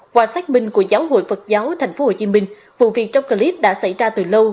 qua xác minh của giáo hội phật giáo tp hcm vụ việc trong clip đã xảy ra từ lâu